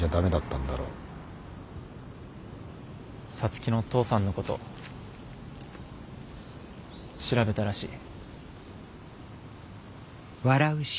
皐月のお父さんのこと調べたらしい。